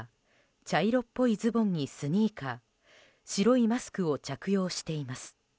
茶色っぽいズボンにスニーカー白いマスクを着用しています。